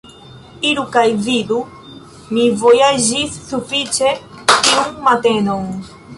Iru kaj vidu; mi vojaĝis sufiĉe tiun matenon.